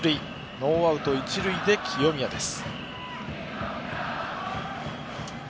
ノーアウト、一塁で清宮です。